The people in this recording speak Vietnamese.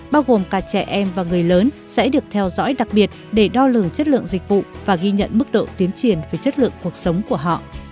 bao gồm cả trẻ em và người lớn sẽ được theo dõi đặc biệt để đo lường chất lượng dịch vụ và ghi nhận mức độ tiến triển về chất lượng cuộc sống của họ